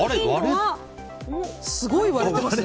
すごい割れてますね。